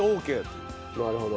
なるほど。